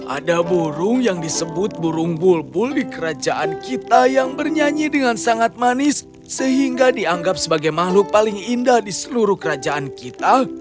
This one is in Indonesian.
ada burung yang disebut burung bulbul di kerajaan kita yang bernyanyi dengan sangat manis sehingga dianggap sebagai makhluk paling indah di seluruh kerajaan kita